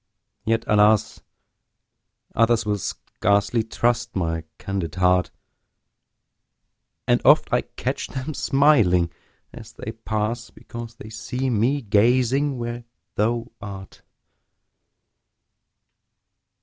yet, alas! Others will scarcely trust my candid heart; And oft I catch them smiling as they pass, Because they see me gazing where thou art.